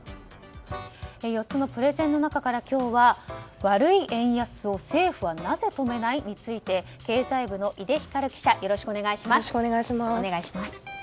４つのプレゼンの中から今日は悪い円安を政府はなぜ止めない？について経済部の井出光記者よろしくお願いします。